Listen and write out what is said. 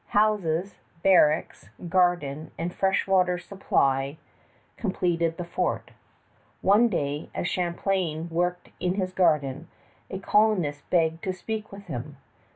Houses, barracks, garden, and fresh water supply completed the fort. One day, as Champlain worked in his garden, a colonist begged to speak with him.